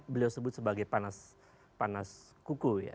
beliau sebut sebagai panas kuku ya